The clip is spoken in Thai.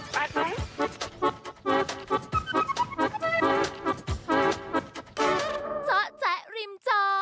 สมบูรณ์พร้อม